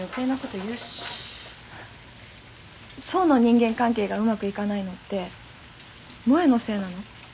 想の人間関係がうまくいかないのって萌のせいなの？